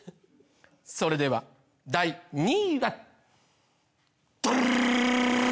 それでは第２位は。